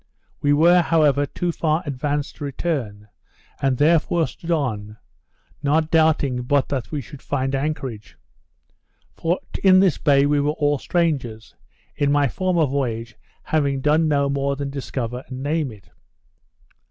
We were, however, too far advanced to return; and therefore stood on, not doubting but that we should find anchorage. For in this bay we were all strangers; in my former voyage, having done no more than discover and name it.